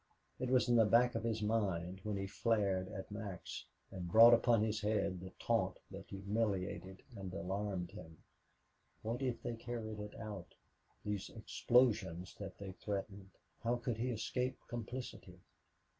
It was in the back of his mind when he flared at Max and brought upon his head the taunt that humiliated and alarmed him. What if they carried it out these explosions that they threatened how could he escape complicity?